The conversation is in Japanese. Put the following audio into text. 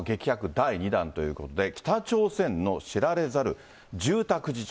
第２弾ということで、北朝鮮の知られざる住宅事情。